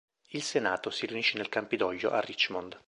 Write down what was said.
Il Senato si riunisce nel Campidoglio a Richmond.